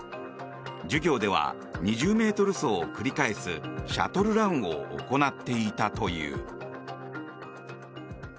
授業では２０ｍ走を繰り返すシャトルランを行っていたという。